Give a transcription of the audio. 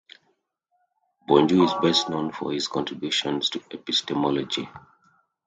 BonJour is best known for his contributions to epistemology.